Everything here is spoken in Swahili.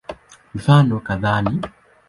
Mifano kadhaa ni